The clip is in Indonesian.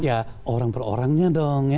ya orang per orangnya dong